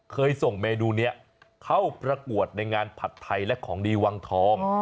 เคยส่งเมนูนี้เข้าประกวดในงานผัดไทยและของดีวังทอง